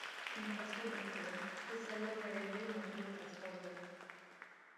In pseudocode, this algorithm would look as follows.